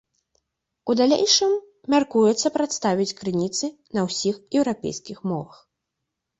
У далейшым мяркуецца прадставіць крыніцы на ўсіх еўрапейскіх мовах.